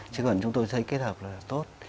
chứ còn chúng tôi thấy kết hợp là tốt